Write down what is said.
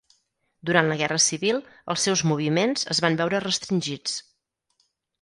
Durant la Guerra Civil els seus moviments es van veure restringits.